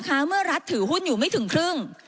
เมื่อรัฐถือหุ้นอยู่ไม่ถึงครึ่ง